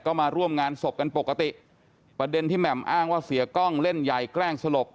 ก็มาร่วมงานศพกันปกติประเด็นที่แหม่มอ้างว่าเสียกล้องเล่นใหญ่แกล้งสลบ